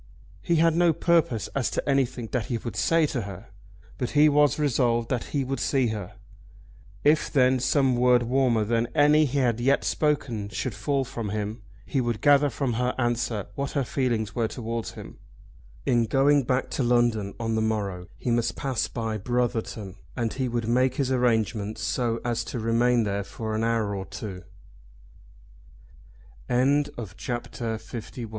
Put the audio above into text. He had no purpose as to anything that he would say to her, but he was resolved that he would see her. If then some word warmer than any he had yet spoken should fall from him, he would gather from her answer what her feelings were towards him. In going back to London on the morrow he must pass by Brotherton, and he would make his arrangements so as to remain there for an hour or two. CHAPTER LII. ANOTHER LOVER.